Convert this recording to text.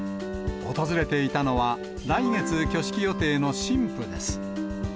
訪れていたのは、来月挙式予定の新婦です。